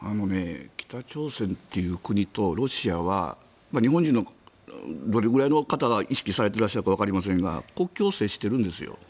北朝鮮という国とロシアは日本人のどれぐらいの方が意識されていらっしゃるかわかりませんが国境を接しているんですよ。